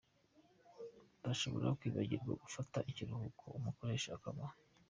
bashobora kwibagirwa gufata ikiruhuko, umukoresha akaba